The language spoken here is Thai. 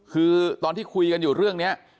คือตอนที่คุยกันอยู่เรื่องนี้